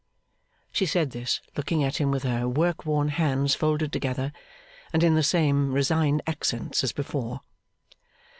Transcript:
She said this, looking at him with her work worn hands folded together, and in the same resigned accents as before.